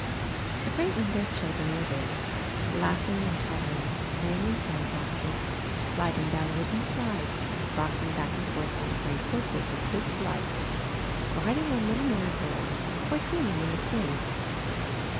A great number of children were there, laughing and chattering, playing in sand boxes, sliding down wooden slides, rocking back and forth on great horses as big as life, riding on little merry go rounds, or swinging in the swings.